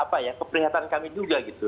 apa ya keprihatan kami juga gitu